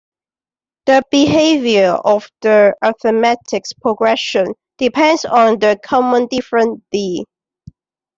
The behavior of the arithmetic progression depends on the common difference "d".